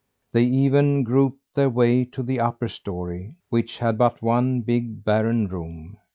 They even groped their way to the upper story, which had but one big, barren room.